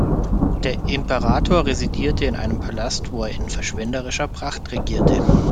Der Imperator residierte in einem Palast, wo er in verschwenderischer Pracht regierte.